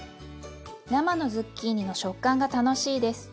生のズッキーニの食感が楽しいです。